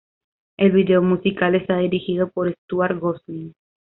El video musical está dirigido por Stuart Gosling.